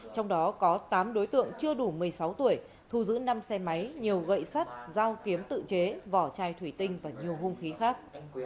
trong đó có tám đối tượng chưa đủ một mươi sáu tuổi thu giữ năm xe máy nhiều gậy sắt dao kiếm tự chế vỏ chai thủy tinh và nhiều hung khí khác